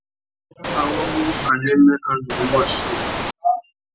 Awô wu anêmê a ndú mú mù achiya.